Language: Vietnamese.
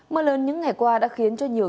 mưa lớn những ngày qua đã khiến cho nhiều chủ yếu